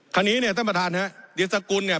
ทีนี้เนี่ยท่านประธานฮะดิสกุลเนี่ย